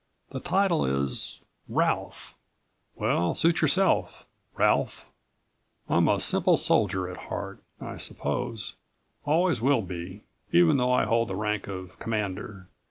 "The title is ... Ralph." "Well ... suit yourself. Ralph. I'm a simple soldier at heart, I suppose always will be, even though I hold the rank of Commander.